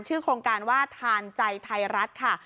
โครงการว่าทานใจไทยรัฐค่ะ